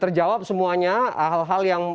terjawab semuanya hal hal yang